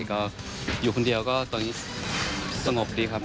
ก็อยู่คนเดียวก็ตอนนี้สงบดีครับ